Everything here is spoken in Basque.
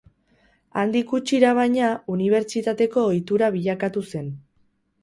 Handik gutxira, baina, unibertsitateko ohitura bilakatu zen.